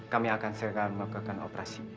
kami akan segera melakukan operasi